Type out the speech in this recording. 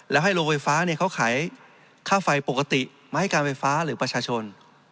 แล้วให้โรงไฟฟ้าเขาขายค่าไฟปกติมาให้การไฟฟ้าหรือประชาชน